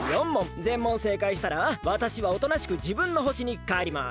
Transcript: ぜん問せいかいしたらわたしはおとなしくじぶんの星にかえります。